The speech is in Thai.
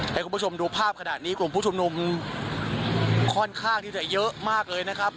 ให้คุณผู้ชมดูภาพขนาดนี้กลุ่มผู้ชุมนุมค่อนข้างที่จะเยอะมากเลยนะครับ